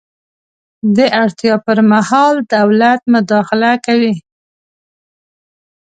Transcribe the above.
د اړتیا پر مهال دولت مداخله کوي.